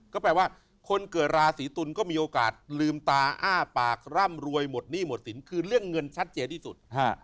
ก็แปลว่าคนเกิดราศีตุลก็มีโอกาสลืมตาอ้าปากร่ำรวยหมดหนี้หมดสินคือเรื่องเงินชัดเจนที่สุด